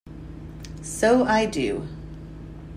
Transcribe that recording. So I do.